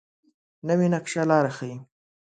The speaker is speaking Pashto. نوې نقشه لاره ښيي